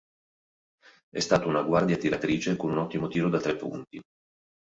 È stato una guardia tiratrice con un ottimo tiro da tre punti.